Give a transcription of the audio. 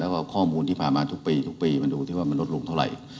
แล้วก็ข้อมูลที่ผ่านมาทุกปีทุกปีมาดูที่ว่ามันลดลงเท่าไหร่